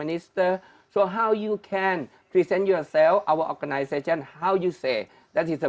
jadi bagaimana anda bisa menyampaikan diri sendiri organisasi kita bagaimana anda mengatakan